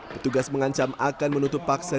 petugas mengancam akan menutup paksa